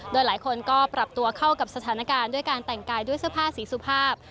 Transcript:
โดยหลายคนก็ปรับตัวเข้ากับสถานการณ์ด้วยการแต่งกายด้วยเสื้อผ้าสีสุภาพ